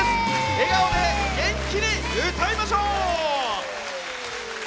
笑顔で元気に歌いましょう。